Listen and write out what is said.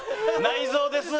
内臓です！